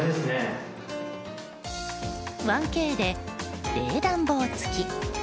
１Ｋで冷暖房付き。